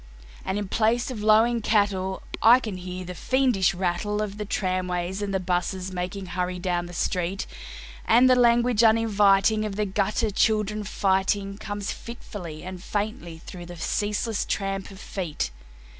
And in place of lowing cattle, I can hear the fiendish rattle Of the tramways and the buses making hurry down the street; And the language uninviting of the gutter children fighting Comes fitfully and faintly through the ceaseless tramp of feet.